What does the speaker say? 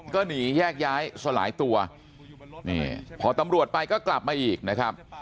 ก็หนีแยกย้ายสลายตัวนี่พอตำรวจไปก็กลับมาอีกนะครับ